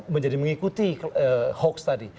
menjadi mengikuti hoax tadi